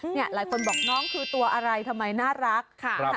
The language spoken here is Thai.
หลายคนบอกน้องคือตัวอะไรทำไมน่ารัก